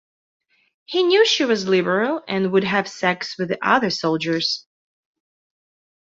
He knew she was liberal and would have sex with the other soldiers.